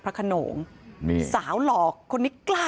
สวัสดีครับคุณผู้ชาย